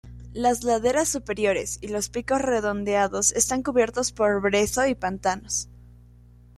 Las laderas superiores y los picos redondeados están cubiertos por brezo y pantanos.